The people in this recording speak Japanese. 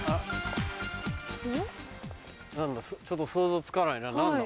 何だちょっと想像つかないな何だ？